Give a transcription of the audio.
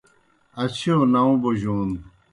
اچِھیؤ ناؤں بوجون